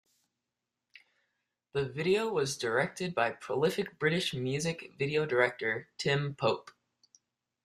The video was directed by prolific British music video director Tim Pope.